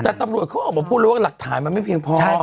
แต่ตำรวจเขาออกมาพูดเลยว่าหลักฐานมันไม่เพียงพอ